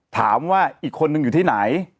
ถามว่าอีกคนนึงอยู่ที่ไหน